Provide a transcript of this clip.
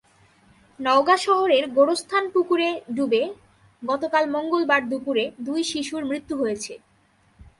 নওগাঁ শহরের গোরস্থান পুকুরে ডুবে গতকাল মঙ্গলবার দুপুরে দুই শিশুর মৃত্যু হয়েছে।